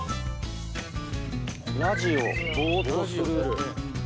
ラジオぼーっとする。